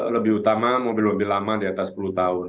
lebih utama mobil mobil lama di atas sepuluh tahun